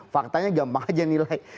faktanya gampang aja nilai